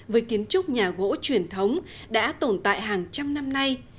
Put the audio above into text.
với kiến trúc nhà gỗ truyền thống đã tồn tại hàng trăm năm nay